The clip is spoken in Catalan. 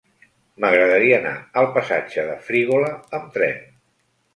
M'agradaria anar al passatge de Frígola amb tren.